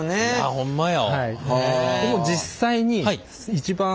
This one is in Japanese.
ほんまや。